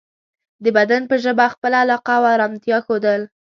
د بدن په ژبه خپله علاقه او ارامتیا ښودل